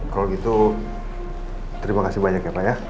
kalau gitu terima kasih banyak ya pak ya